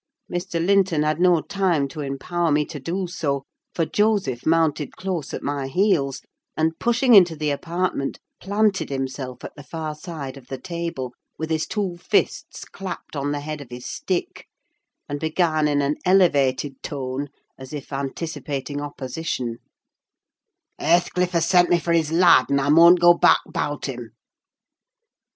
Mr. Linton had no time to empower me to do so, for Joseph mounted close at my heels, and, pushing into the apartment, planted himself at the far side of the table, with his two fists clapped on the head of his stick, and began in an elevated tone, as if anticipating opposition— "Hathecliff has sent me for his lad, and I munn't goa back 'bout him."